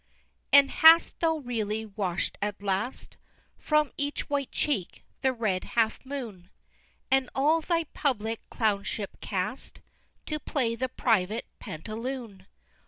II. And hast thou really wash'd at last From each white cheek the red half moon! And all thy public Clownship cast, To play the private Pantaloon?